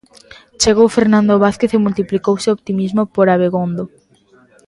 Chegou Fernando Vázquez e multiplicouse o optimismo por Abegondo.